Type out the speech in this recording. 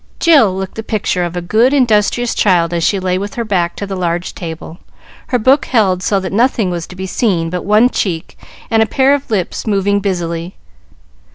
Jill looked the picture of a good, industrious child as she lay with her back to the large table, her book held so that nothing was to be seen but one cheek and a pair of lips moving busily.